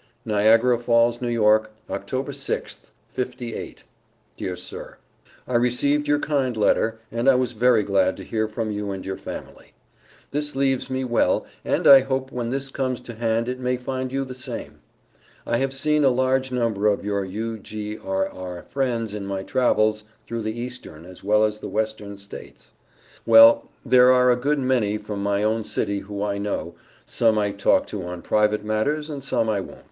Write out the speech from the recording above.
NIAGARA FALLS, N.Y., Oct. 6th, '58. DEAR SIR: I received your kind letter and I was very glad to hear from you and your family. This leaves me well, and I hope when this comes to hand it may find you the same. I have seen a large number of your U.G.R.R. friends in my travels through the Eastern as well as the Western States. Well there are a good many from my own city who I know some I talk to on private matters and some I wont.